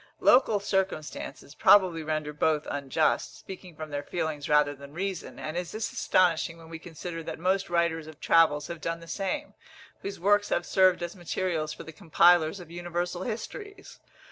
Local circumstances probably render both unjust, speaking from their feelings rather than reason; and is this astonishing when we consider that most writers of travels have done the same, whose works have served as materials for the compilers of universal histories?